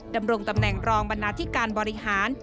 ดำรงตำแหน่งรองบรรณาธิการบริหาร